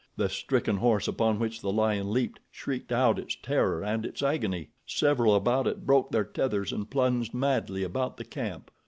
The stricken horse upon which the lion leaped shrieked out its terror and its agony. Several about it broke their tethers and plunged madly about the camp.